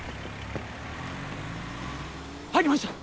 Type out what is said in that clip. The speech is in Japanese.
入りました！